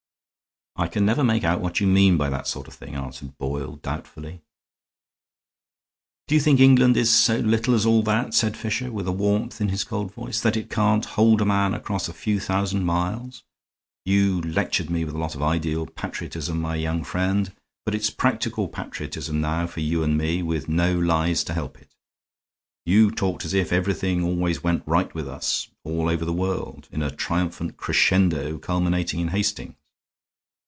"I can never make out what you mean by that sort of thing," answered Boyle, doubtfully. "Do you think England is so little as all that?" said Fisher, with a warmth in his cold voice, "that it can't hold a man across a few thousand miles. You lectured me with a lot of ideal patriotism, my young friend; but it's practical patriotism now for you and me, and with no lies to help it. You talked as if everything always went right with us all over the world, in a triumphant crescendo culminating in Hastings.